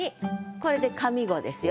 これで上五ですよ。